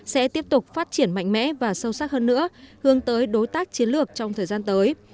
sẽ tiếp tục phát triển mạnh mẽ và sâu sắc hơn nữa hướng tới đối tác chiến lược trong thời gian tới